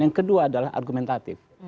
yang kedua adalah argumentatif